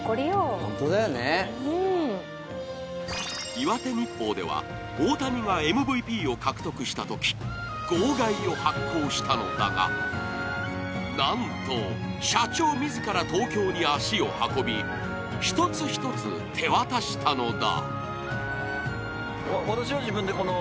「岩手日報」では大谷がＭＶＰを獲得したとき号外を発行したのだがなんと社長自ら東京に足を運び一つ一つ手渡したのだ。